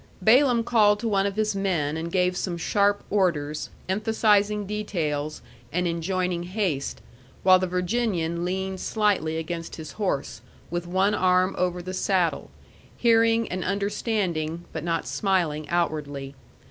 Balaam called to one of his men and gave some sharp orders, emphasizing details, and enjoining haste, while the Virginian leaned slightly against his horse, with one arm over the saddle, hearing and understanding, but not smiling outwardly.